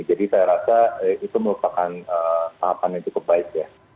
jadi saya rasa itu merupakan tahapan yang cukup baik ya